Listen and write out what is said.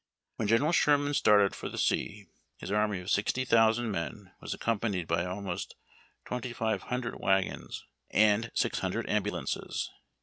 When General Sherman started for the sea, his army of sixty thousand men was accompanied by about twenty five hundred wagons and six hundred ambulances.